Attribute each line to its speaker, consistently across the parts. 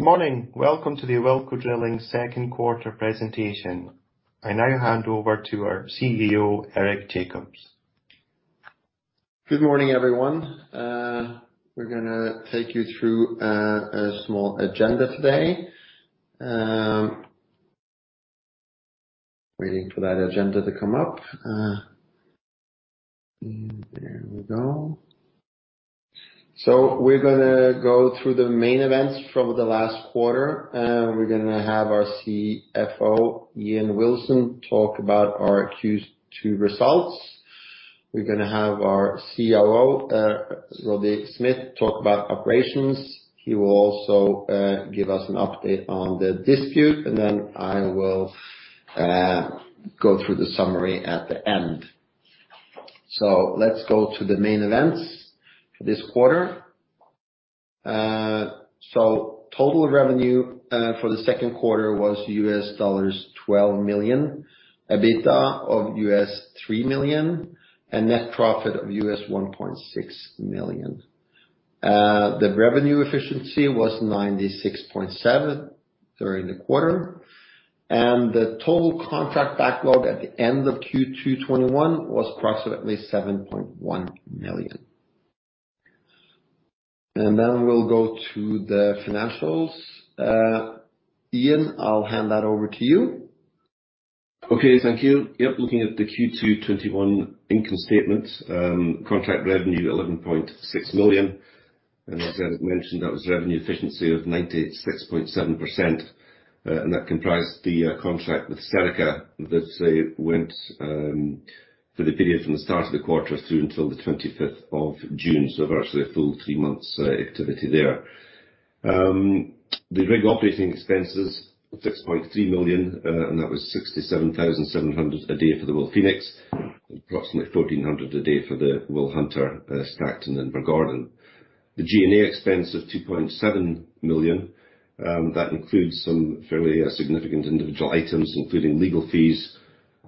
Speaker 1: Good morning. Welcome to the Awilco Drilling Second Quarter Presentation. I now hand over to our CEO, Eric Jacobs.
Speaker 2: Good morning, everyone. We're going to take you through a small agenda today. Waiting for that agenda to come up. There we go. We're going to go through the main events from the last quarter, and we're going to have our CFO, Ian Wilson, talk about our Q2 results. We're going to have our COO, Roddy Smith, talk about operations. He will also give us an update on the dispute, and then I will go through the summary at the end. Let's go to the main events for this quarter. Total revenue for the second quarter was $12 million, EBITDA of $3 million, and net profit of $1.6 million. The revenue efficiency was 96.7% during the quarter, and the total contract backlog at the end of Q2 2021 was approximately $7.1 million. We'll go to the financials. Ian, I'll hand that over to you.
Speaker 3: Okay. Thank you. Yep. Looking at the Q2 2021 income statement, contract revenue, $11.6 million. As Eric mentioned, that was revenue efficiency of 96.7%, and that comprised the contract with Serica that went for the period from the start of the quarter through until the 25th of June, so virtually a full three months activity there. The rig operating expenses of $6.3 million, that was $67,700 a day for the WilPhoenix, approximately $1,400 a day for the WilHunter stacked in Invergordon. The G&A expense of $2.7 million, that includes some fairly significant individual items, including legal fees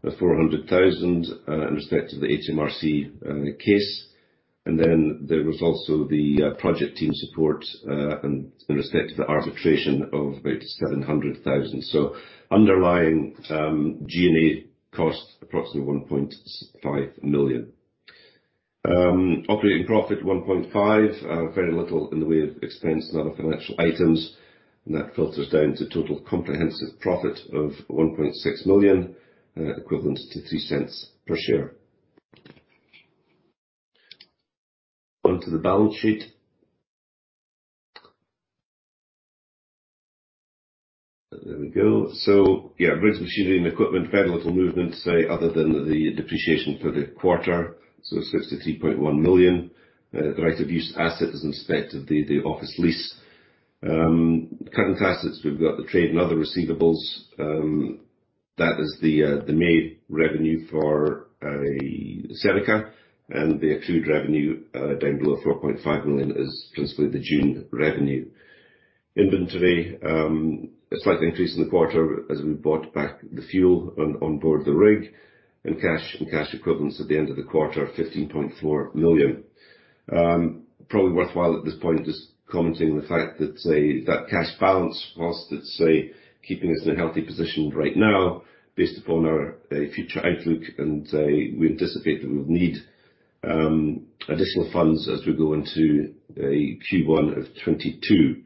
Speaker 3: of $400,000 in respect to the HMRC case. There was also the project team support in respect to the arbitration of about $700,000. Underlying G&A cost approximately $1.5 million. Operating profit $1.5 million, very little in the way of expense, non-financial items. That filters down to total comprehensive profit of $1.6 million, equivalent to $0.03 per share. Onto the balance sheet. There we go. Yeah, rigs, machinery and equipment, very little movement other than the depreciation for the quarter. It's $63.1 million. The right of use asset as inspected, the office lease. Current assets, we've got the trade and other receivables. That is the May revenue for Serica and the accrued revenue down below $4.5 million is principally the June revenue. Inventory, a slight increase in the quarter as we bought back the fuel on board the rig. Cash and cash equivalents at the end of the quarter, $15.4 million. Probably worthwhile at this point, just commenting on the fact that cash balance, whilst it's keeping us in a healthy position right now based upon our future outlook, we anticipate that we would need additional funds as we go into Q1 of 2022.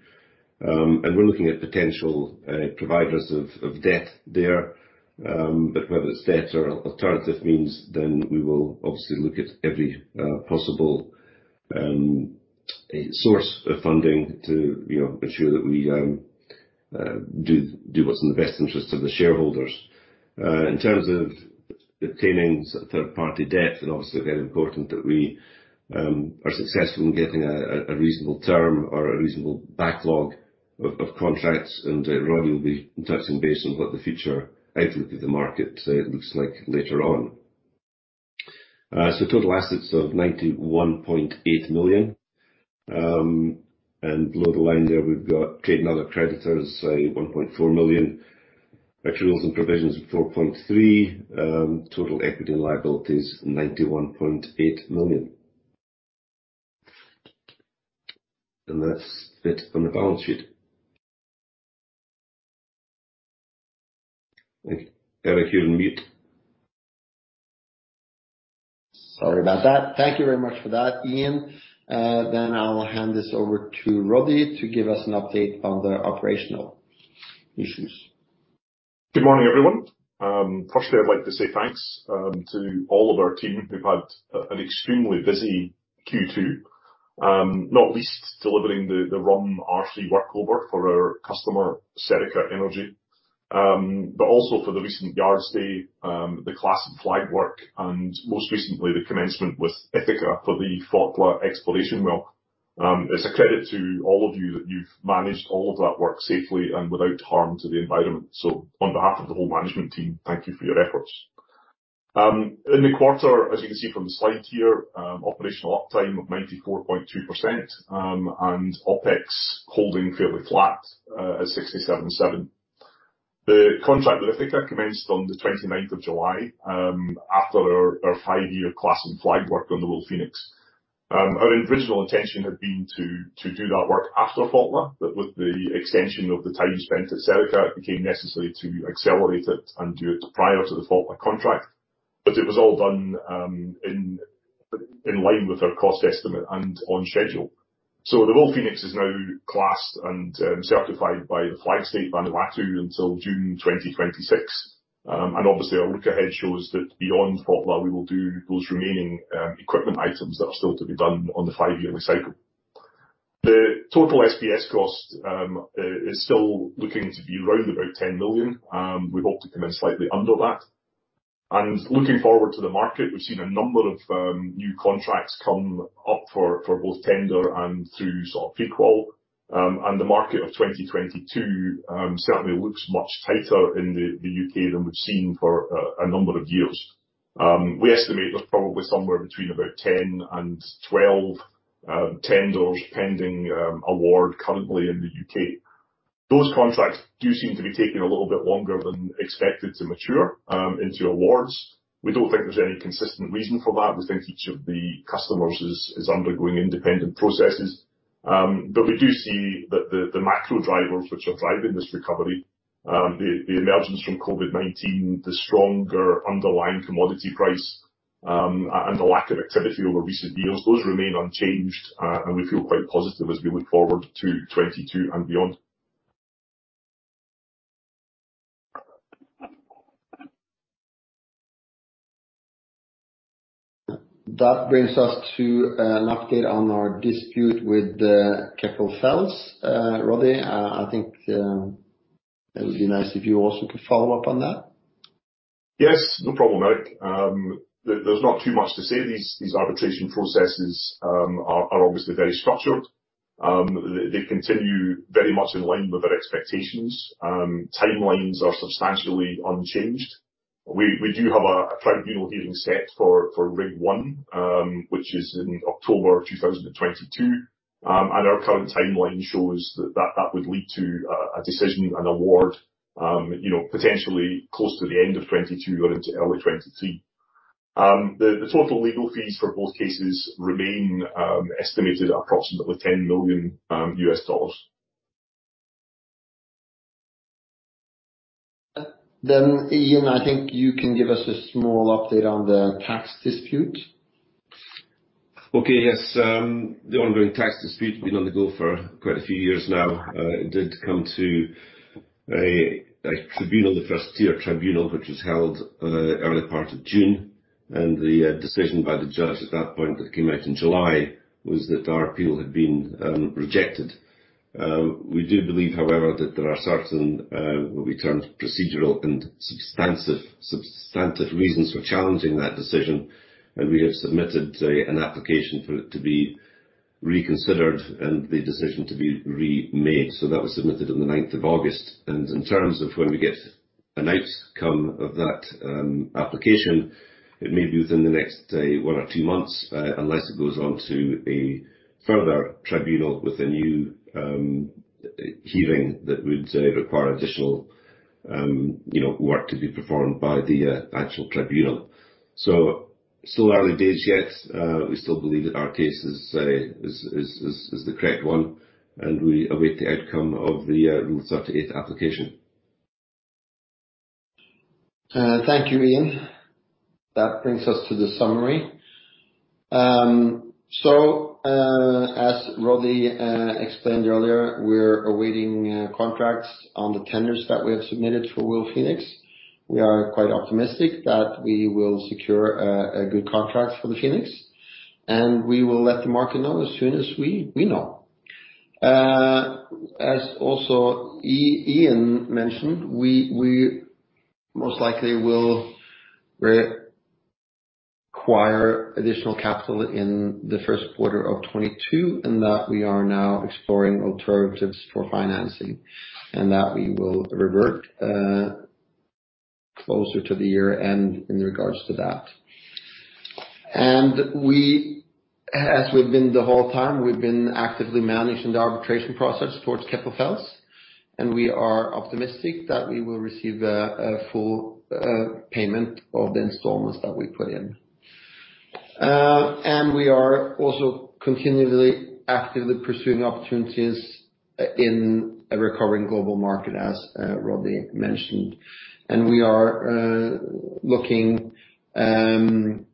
Speaker 3: We're looking at potential providers of debt there. Whether it's debt or alternative means, we will obviously look at every possible source of funding to ensure that we do what's in the best interest of the shareholders. In terms of obtaining third-party debt obviously very important that we are successful in getting a reasonable term or a reasonable backlog of contracts, Roddy will be touching base on what the future outlook of the market looks like later on. Total assets of $91.8 million. Below the line there we've got trade and other creditors, $1.4 million, actuals and provisions $4.3 million, total equity and liabilities $91.8 million. That's it on the balance sheet. Eric, you're on mute.
Speaker 2: Sorry about that. Thank you very much for that, Ian. I will hand this over to Roddy to give us an update on the operational issues.
Speaker 4: Good morning, everyone. Firstly, I'd like to say thanks to all of our team who've had an extremely busy Q2, not least delivering the Rhum R3 workover for our customer, Serica Energy. Also for the recent yard stay, the class and flag work, and most recently, the commencement with Ithaca for the Fotla exploration well. It's a credit to all of you that you've managed all of that work safely and without harm to the environment. On behalf of the whole management team, thank you for your efforts. In the quarter, as you can see from the slide here, operational uptime of 94.2% and OPEX holding fairly flat at 67.7%. The contract with Ithaca commenced on the 29th of July, after our five-year class and flag work on the WilPhoenix. Our original intention had been to do that work after Fotla, with the extension of the time spent at Serica, it became necessary to accelerate it and do it prior to the Fotla contract. It was all done in line with our cost estimate and on schedule. The WilPhoenix is now classed and certified by the flag state, Vanuatu, until June 2026. Obviously our look ahead shows that beyond Fotla, we will do those remaining equipment items that are still to be done on the five-yearly cycle. The total SPS cost is still looking to be around about $10 million. We hope to come in slightly under that. Looking forward to the market, we've seen a number of new contracts come up for both tender and through pre-qual. The market of 2022 certainly looks much tighter in the U.K. than we've seen for a number of years. We estimate there's probably somewhere between about 10 and 12 tenders pending award currently in the U.K.. Those contracts do seem to be taking a little bit longer than expected to mature into awards. We don't think there's any consistent reason for that. We think each of the customers is undergoing independent processes. We do see that the macro drivers, which are driving this recovery, the emergence from COVID-19, the stronger underlying commodity price, and the lack of activity over recent years, those remain unchanged, and we feel quite positive as we look forward to 2022 and beyond.
Speaker 2: That brings us to an update on our dispute with Keppel FELS. Roddy, I think it would be nice if you also could follow up on that.
Speaker 4: Yes. No problem, Eric. There's not too much to say. These arbitration processes are obviously very structured. They continue very much in line with our expectations. Timelines are substantially unchanged. We do have a tribunal hearing set for rig one, which is in October 2022. Our current timeline shows that that would lead to a decision, an award, potentially close to the end of 2022 or into early 2023. The total legal fees for both cases remain estimated at approximately $10 million.
Speaker 2: Ian, I think you can give us a small update on the tax dispute.
Speaker 3: Okay. Yes. The ongoing tax dispute has been on the go for quite a few years now. It did come to a tribunal, the First-tier Tribunal, which was held early part of June. The decision by the judge at that point, that came out in July, was that our appeal had been rejected. We do believe, however, that there are certain, what we term, procedural and substantive reasons for challenging that decision, and we have submitted an application for it to be reconsidered and the decision to be remade. That was submitted on the 9th of August. In terms of when we get an outcome of that application, it may be within the next one or two months, unless it goes on to a further tribunal with a new hearing that would require additional work to be performed by the actual tribunal. Still early days yet. We still believe that our case is the correct one, and we await the outcome of the Rule 38 application.
Speaker 2: Thank you, Ian. That brings us to the summary. As Roddy explained earlier, we're awaiting contracts on the tenders that we have submitted for WilPhoenix. We are quite optimistic that we will secure a good contract for the Phoenix, and we will let the market know as soon as we know. As also Ian mentioned, we most likely will require additional capital in the first quarter of 2022, and that we are now exploring alternatives for financing, and that we will revert closer to the year-end in regards to that. As we've been the whole time, we've been actively managing the arbitration process towards Keppel FELS, and we are optimistic that we will receive a full payment of the installments that we put in. We are also continually actively pursuing opportunities in a recovering global market, as Roddy mentioned. We are looking on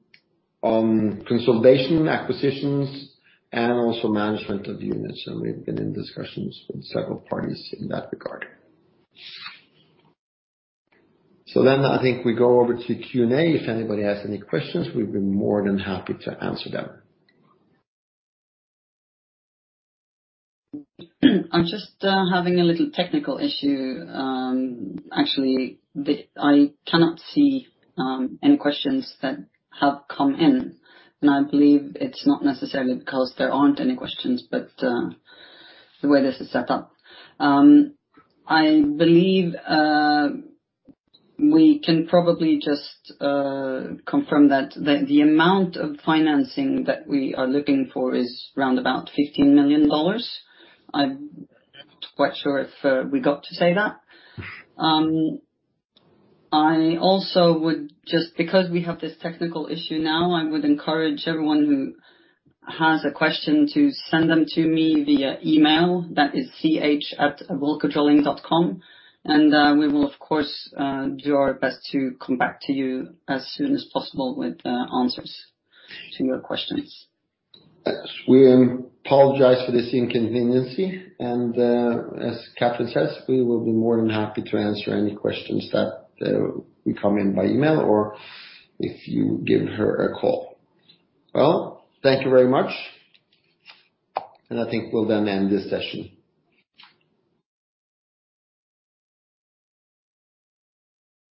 Speaker 2: consolidation acquisitions and also management of units, and we've been in discussions with several parties in that regard. I think we go over to Q&A. If anybody has any questions, we'd be more than happy to answer them.
Speaker 5: I'm just having a little technical issue. Actually, I cannot see any questions that have come in, and I believe it's not necessarily because there aren't any questions, but the way this is set up. I believe we can probably just confirm that the amount of financing that we are looking for is around about $15 million. I'm not quite sure if we got to say that. I also would just, because we have this technical issue now, I would encourage everyone who has a question to send them to me via email. That is ch@awilcodrilling.com. We will of course do our best to come back to you as soon as possible with answers to your questions.
Speaker 2: Yes. We apologize for this inconvenience. As Cathrine says, we will be more than happy to answer any questions that come in by email or if you give her a call. Well, thank you very much. I think we'll then end this session.